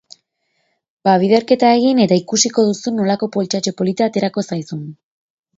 Ba, biderketa egin eta ikusiko duzu nolako poltsatxo polita aterako zaizun.